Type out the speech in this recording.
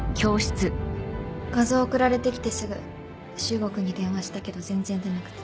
画像送られてきてすぐ修吾君に電話したけど全然出なくて。